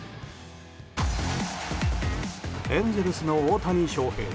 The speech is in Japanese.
エンゼルスの大谷翔平。